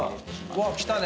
うわっきたね。